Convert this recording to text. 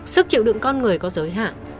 sức chịu đựng con người có giới hạn